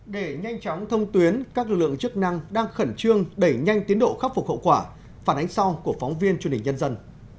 để nhanh chóng thông tuyến các lực lượng chức năng đang khẩn trương đẩy nhanh tiến độ khắc phục hậu quả phản ánh sau của phóng viên truyền hình nhân dân